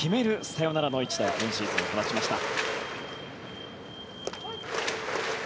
サヨナラの一打今シーズン、放ちました。